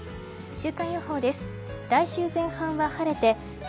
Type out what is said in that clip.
週間予報です。